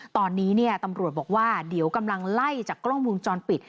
ตอนนี้ตำรวจบอกว่าเดี๋ยวกำลังไล่จากกล้องวงจรปิด